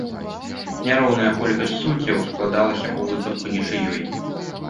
Няроўная колькасць суддзяў складалася ў выпадку нічыёй.